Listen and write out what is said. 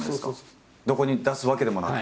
どこに出すわけでもなく。